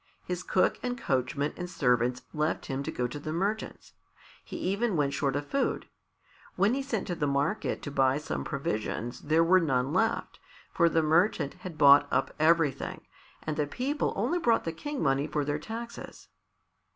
His cook and coachman and servants left him to go to the merchant's. He even went short of food. When he sent to the market to buy some provisions there were none left, for the merchant had bought up everything, and the people only brought the King money for their taxes.